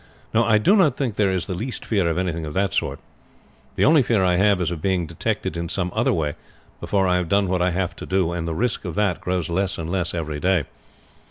No, I do not think there is the least fear of anything of that sort. The only fear I have is of being detected in some other way before I have done what I have to do, and the risk of that grows less and less every day.